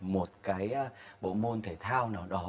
một cái bộ môn thể thao nào đó